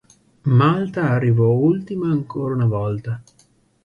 Malta arrivò ultima ancora una volta.